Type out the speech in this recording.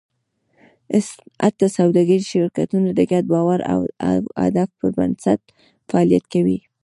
حتی سوداګریز شرکتونه د ګډ باور او هدف پر بنسټ فعالیت کوي.